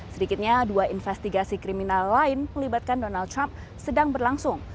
sedikitnya dua investigasi kriminal lain melibatkan donald trump sedang berlangsung